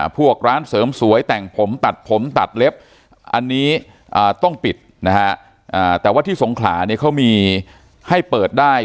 พวกร้านเสริมสวยแต่งผมตัดผมตัดเล็บอันนี้ต้องปิดนะฮะแต่ว่าที่สงขลาเนี่ยเขามีให้เปิดได้